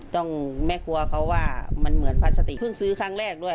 แม่ครัวเขาว่ามันเหมือนพลาสติเพิ่งซื้อครั้งแรกด้วย